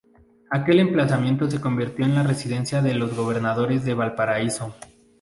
Aquel emplazamiento se convirtió en la residencia de los gobernadores de Valparaíso.